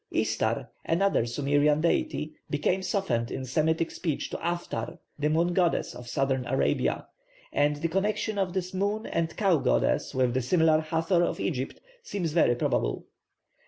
Istar, another Sumerian deity, became softened in Semitic speech to Athtar, the moon goddess of Southern Arabia; and the connection of this moon and cow goddess with the similar Hathor of Egypt seems very probable.